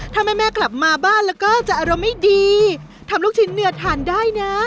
ถ้าแม่กลับมาบ้านแล้วก็จะอารมณ์ไม่ดีทำลูกชิ้นเนื้อทานได้นะ